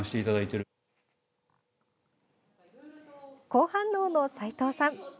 好反応の齊藤さん。